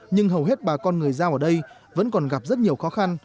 nhưng hầu hết bà con người giao ở đây vẫn còn gặp rất nhiều khó khăn